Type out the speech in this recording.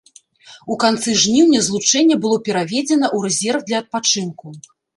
У канцы жніўня злучэнне было пераведзена ў рэзерв для адпачынку.